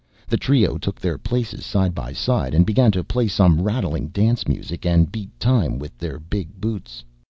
The trio took their places side by side, and began to play some rattling dance music, and beat time with their big boots.